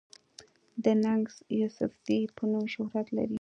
د “ ننګ يوسفزۍ” پۀ نوم شهرت لري